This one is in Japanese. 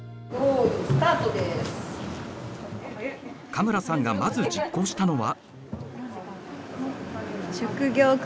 加村さんがまず実行したのは。